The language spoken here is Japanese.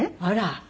あら。